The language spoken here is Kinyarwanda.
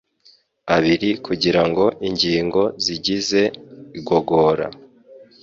abiri kugira ngo ingingo zigize igogora